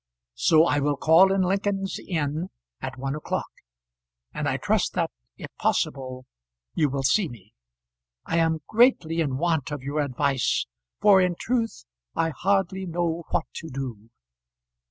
So I will call in Lincoln's Inn at one o'clock, and I trust that if possible you will see me. I am greatly in want of your advice, for in truth I hardly know what to do.